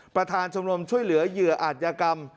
ประธานชมรมช่วยเหลือเหยื่ออาจยากรรม